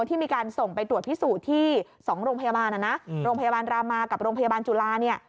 ที่มีการส่งไปตรวจพิสูจน์ที่๒โรงพยาบาลนะนะโรงพยาบาลรามากับโรงพยาบาลจุฬาเนี่ย